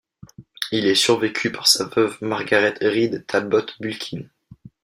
Il est survécu par sa veuve Margaret Reed Talbot Bulkin.